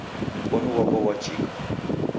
Mkonu ghwapo ghwachika.